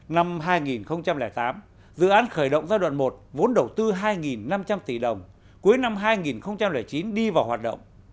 năm hai nghìn tám dự án khởi động giai đoạn một vốn đầu tư hai năm trăm linh tỷ đồng cuối năm hai nghìn chín đi vào hoạt động